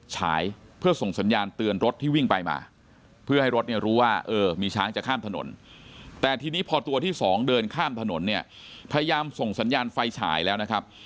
ฉายเพื่อส่งสัญญาณเตือนรถที่วิ่งไปมาเพื่อให้รถเนี่ยรู้ว่าเออมีช้างจะข้ามถนนแต่ทีนี้พอตัวที่สองเดินข้ามถนนเนี่ยพยายามส่งสัญญาณไฟฉายแล้วนะครับ